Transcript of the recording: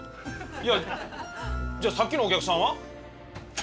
いやじゃあさっきのお客さんは？